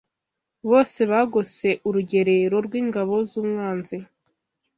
bose bagose urugerero rw’ingabo z’umwanzi